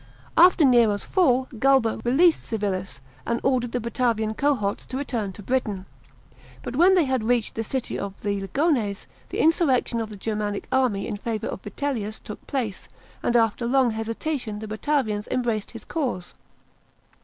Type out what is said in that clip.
After Nero's fall Galba released Civilis, and ordered the Batavian cohorts to return to Britain. But when they had reached the city of the Lingones, the insurrection of the Germanic army in favour of ViMlius took place, and after long hesitation the Batavians embraced his cause.